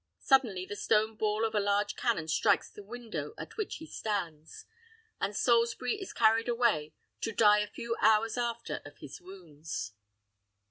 Suddenly, the stone ball of a large cannon strikes the window at which he stands; and Salisbury is carried away to die a few hours after of his wounds.